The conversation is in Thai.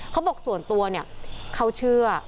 เขาบอกส่วนตัวเนี่ยเขาเชื่อ